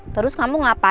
terus kamu ngapain